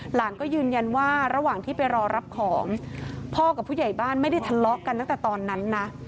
หลานก็ยืนยันว่าระหว่างที่ไปรอรับของพ่อกับผู้ใหญ่บ้านไม่ได้ทะเลาะกันตั้งแต่ตอนนั้นนะ